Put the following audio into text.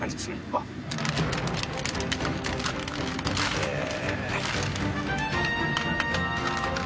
へえ。